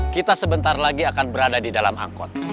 kita sebentar lagi akan berada di dalam angkot